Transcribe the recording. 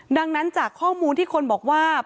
ดังนั้นจากข้อมูลที่คนบอกว่า